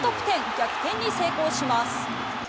逆転に成功します。